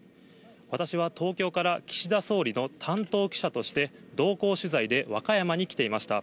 私は東京から岸田総理の担当記者として、同行取材で和歌山に来ていました。